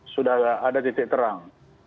sudah ada titik terang